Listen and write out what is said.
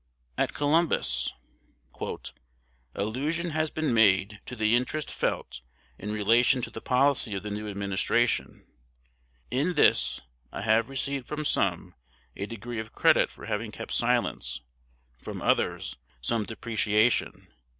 At Columbus: "Allusion has been made to the interest felt in relation to the policy of the new administration. In this, I have received from some a degree of credit for having kept silence, from others some depreciation.